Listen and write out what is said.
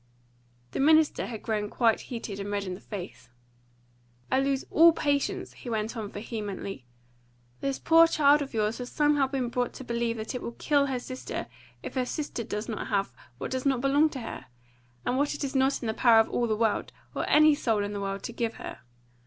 The minister had grown quite heated and red in the face. "I lose all patience!" he went on vehemently. "This poor child of yours has somehow been brought to believe that it will kill her sister if her sister does not have what does not belong to her, and what it is not in the power of all the world, or any soul in the world, to give her.